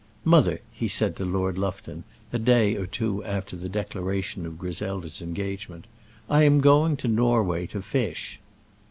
"Mother," he said to Lady Lufton a day or two after the declaration of Griselda's engagement, "I am going to Norway to fish."